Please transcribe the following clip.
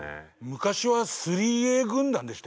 昔は３Ａ軍団でしたよね？